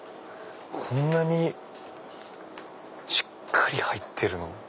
こんなにしっかり入ってるの。